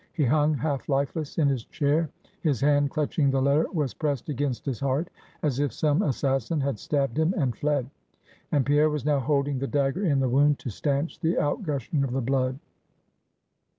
He hung half lifeless in his chair; his hand, clutching the letter, was pressed against his heart, as if some assassin had stabbed him and fled; and Pierre was now holding the dagger in the wound, to stanch the outgushing of the blood.